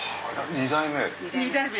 ２代目？